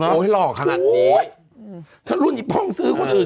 เนอะโอ้ยหลอกครั้นั้นโอ้ยถ้ารุ่นอีบป้องซื้อคนอื่น